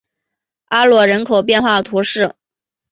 阿罗人口变化图示